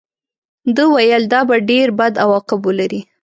ده ویل دا به ډېر بد عواقب ولري.